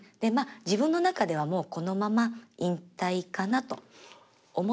自分の中ではもうこのまま引退かなと思って。